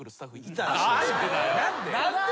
何で？